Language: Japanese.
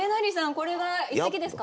これが一席ですか？